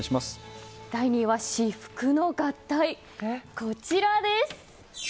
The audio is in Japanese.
第２位は至福の合体、こちらです。